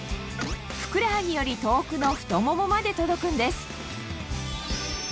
ふくらはぎより遠くの太ももまで届くんです